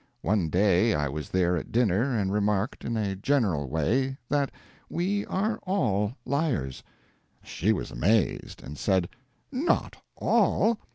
One day I was there at dinner, and remarked, in a general way, that we are all liars. She was amazed, and said, "Not all!"